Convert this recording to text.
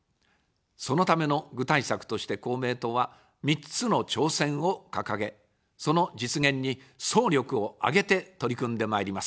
そのための具体策として公明党は、３つの挑戦を掲げ、その実現に総力を挙げて取り組んでまいります。